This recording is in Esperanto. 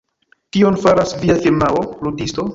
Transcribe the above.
Kion faras via firmao, Ludisto?